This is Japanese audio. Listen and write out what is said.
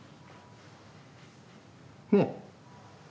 ねえ？